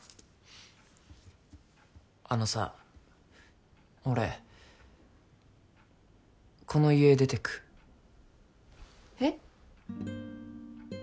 あのさ俺この家出てくえっ？